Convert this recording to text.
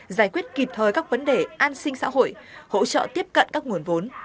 giải quyết kịp thời các vấn đề an sinh xã hội hỗ trợ tiếp cận các nguồn vốn